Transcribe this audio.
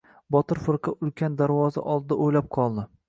Botir firqa ulkan darvoza oldida o‘ylab qoldi.